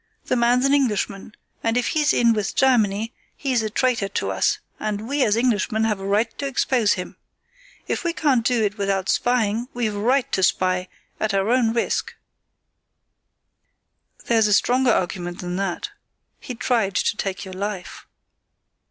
The man's an Englishman, and if he's in with Germany he's a traitor to us, and we as Englishmen have a right to expose him. If we can't do it without spying we've a right to spy, at our own risk——" "There's a stronger argument than that. He tried to take your life."